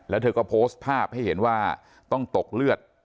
แล้วเธอก็โพสต์ภาพให้เห็นว่าต้องตกเลือด